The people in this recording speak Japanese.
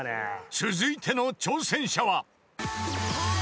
［続いての挑戦者は］